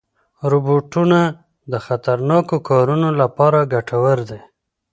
روبوټونه د خطرناکو کارونو لپاره ګټور دي.